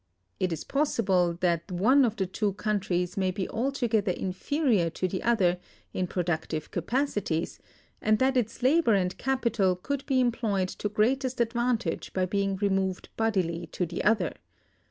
It is possible that one of the two countries may be altogether inferior to the other in productive capacities, and that its labor and capital could be employed to greatest advantage by being removed bodily to the other.